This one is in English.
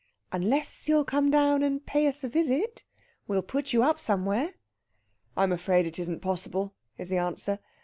"Unless you'll come down and pay us a visit. We'll put you up somewhere." "I'm afraid it isn't possible," is the answer.